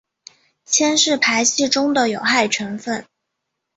铅是排气中的有害成分。